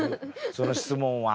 その質問は。